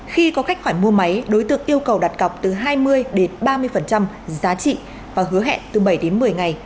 khi có các khoản mua máy đối tượng yêu cầu đặt cọc từ hai mươi đến ba mươi giá trị và hứa hẹn từ bảy đến một mươi ngày